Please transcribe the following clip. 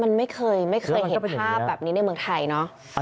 มันไม่เคยไม่เคยเห็นภาพแบบนี้ในเมืองไทยเนอะ